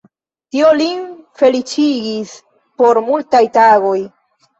Tio lin feliĉigis por multaj tagoj.